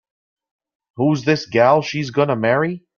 Who's this gal she's gonna marry?